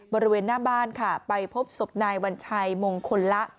บริเวณหน้าบ้านค่ะไปพบศพนายวัญชัยมงคลละ